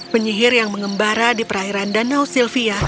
penyihir yang mengembara di perairan danau sylvia